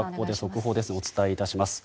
お伝え致します。